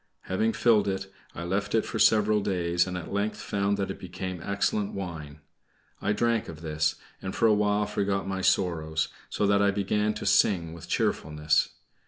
Having filled it, I left it for several days, and at length found that it became excellent wine. I drank of this, and for a while forgot my sorrows, so that I began to sing with cheerfulness.